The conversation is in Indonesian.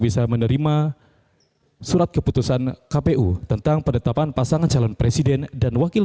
bisa menerima surat keputusan kpu tentang penetapan pasangan calon presiden dan wakil